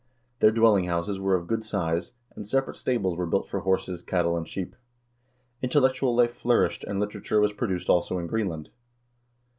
Their dwelling houses were of good size, and separate stables were built for horses, cattle, and sheep. Intellectual life flourished, and literature was produced also in Greenland.